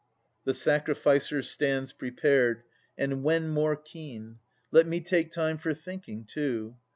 The sacrificer stands prepared, — and when More keen ? Let me take time for thinking, too